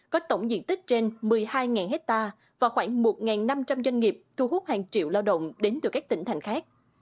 có tổng diện tích trên một mươi hai hectare và khoảng một năm trăm linh doanh nghiệp thu hút hàng triệu lao động đến từ các tỉnh thành khác